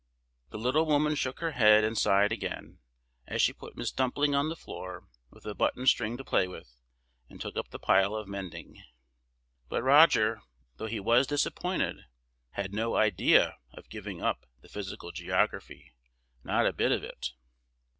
The little woman shook her head and sighed again, as she put Miss Dumpling on the floor with a button string to play with, and took up the pile of mending. But Roger, though he was disappointed, had no idea of giving up the Physical Geography. Not a bit of it!